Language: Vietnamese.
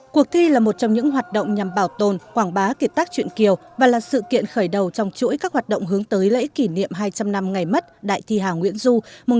cuộc thi là một trong những hoạt động nhằm bảo tồn quảng bá kiệt tác chuyện kiều và là sự kiện khởi đầu trong chuỗi các hoạt động hướng tới lễ kỷ niệm hai trăm linh năm ngày mất đại thi hà nguyễn du một nghìn tám trăm hai mươi hai nghìn hai mươi